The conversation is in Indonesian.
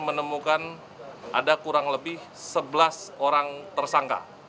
menemukan ada kurang lebih sebelas orang tersangka